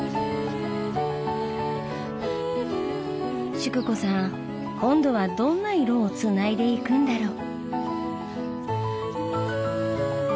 淑子さん今度はどんな色をつないでいくんだろう。